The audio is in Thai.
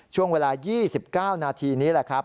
ช่วงเวลา๒๙นาทีนี้